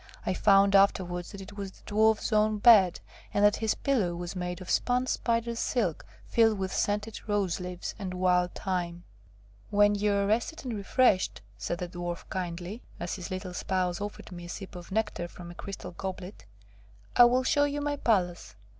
I found afterwards that it was the Dwarfs own bed, and that his pillow was made of spun spider silk, filled with scented roseleaves and wild thyme. [Illustration: The Dwarf invited me to be seated.] "When you are rested and refreshed," said the Dwarf kindly, as his little spouse offered me a sip of nectar from a crystal goblet, "I will show you my palace.